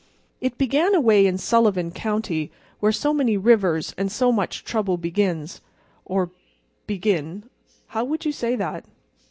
It began away up in Sullivan County, where so many rivers and so much trouble begins—or begin; how would you say that?